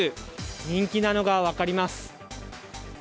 人気なのが分かります。